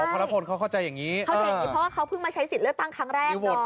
ขฉบ่นเขาเข้าใจอย่างนี้เออเขาอบมาใช้สิทธิ์เลือกตั้งใจ